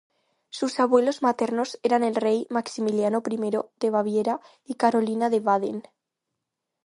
Sus abuelos maternos eran el rey Maximiliano I de Baviera y Carolina de Baden.